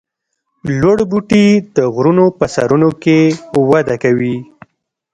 لوړ بوټي د غرونو په سرونو کې وده کوي